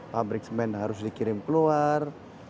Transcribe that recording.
pabrik semen harus dikirim keluar